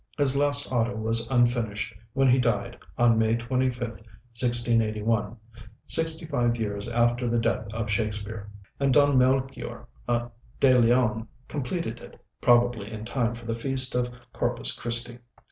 His last auto was unfinished when he died, on May 25th, 1681, sixty five years after the death of Shakespeare, and Don Melchior de Leon completed it, probably in time for the feast of Corpus Christi.